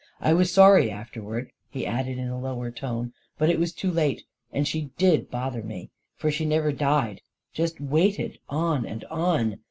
" I was sorry after wards," he added in a lower tone ;" but it was too late. And she did bother me — for she never died — just waited on and on